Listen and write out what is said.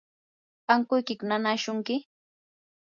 ¿ankuykiku nanaashunki?